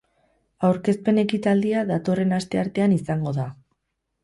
Aurkezpen ekitaldia datorren asteartean izango da.